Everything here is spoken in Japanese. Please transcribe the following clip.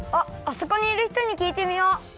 あそこにいるひとにきいてみよう。